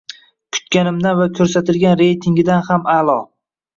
Kutganimdan va ko‘rsatilgan reytingidan ham a’lo.